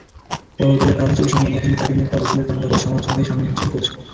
পদত্যাগের কারণ হিসেবে সংবাদমাধ্যমে তাঁকে নিয়ে করা বিসিবির কর্মকর্তাদের সমালোচনাকেই সামনে এনেছেন কোচ।